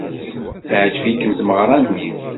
Teɛjeb-ikem tmeɣra-nni?